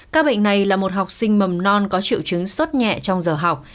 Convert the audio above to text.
các bệnh này là một học sinh mầm non có triệu chứng sốt nhẹ trong giờ học